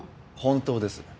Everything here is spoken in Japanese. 本当です。